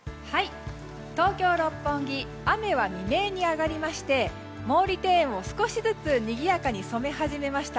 東京・六本木雨は未明にあがりまして毛利庭園を少しずつにぎやかに染め始めました